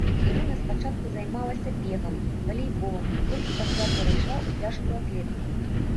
Ірына спачатку займалася бегам, валейболам і толькі пасля перайшла ў цяжкую атлетыку.